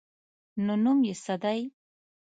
_نو نوم يې څه دی؟